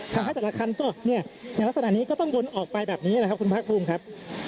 แต่ถ้าแต่ละคันก็แต่ลักษณะนี้ก็ต้องวนออกไปแบบนี้คุณภาคภูมิครับ